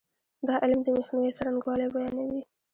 دا علم د مخنیوي څرنګوالی بیانوي.